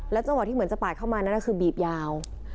จังหวะที่เหมือนจะปาดเข้ามานั่นคือบีบยาว